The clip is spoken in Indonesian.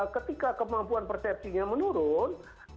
ketika kemampuan persepsinya menurun